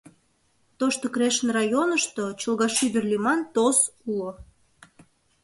Тошто Крешын районышто «Чолга шӱдыр» лӱман ТОЗ уло.